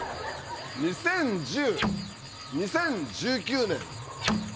２０１０２０１９年。